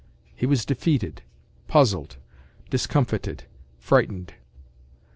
He was defeated, puzzled, discomfited, frightened.